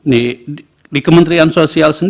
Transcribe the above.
yang merupakan bantuan sosial yang merupakan bantuan sosial